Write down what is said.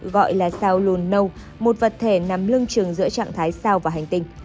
gọi là sao lùn nâu một vật thể nằm lưng trừng giữa trạng thái sao và hành tinh